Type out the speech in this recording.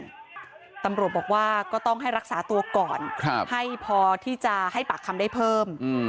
ตำรวจบอกว่าก็ต้องให้รักษาตัวก่อนให้พอที่จะให้ปากคำได้เพิ่ม